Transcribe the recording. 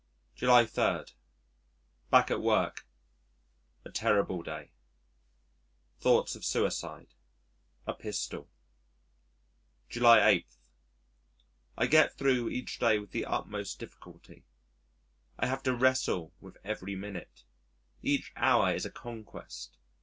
July 3. Back at work. A terrible day. Thoughts of suicide a pistol. July 8. I get thro' each day with the utmost difficulty. I have to wrestle with every minute. Each hour is a conquest.